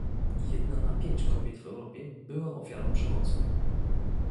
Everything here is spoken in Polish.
Jedna na pięć kobiet w Europie była ofiarą przemocy